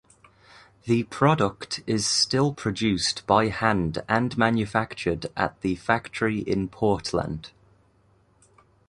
The product is still produced by hand and manufactured at the factory in Portland.